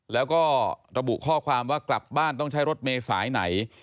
แล้วก็ระบุข้อความว่ากลับบ้านต้องใช้รถเมย์สายไหน